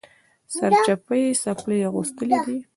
سرچپه یې څپلۍ اغوستلي دي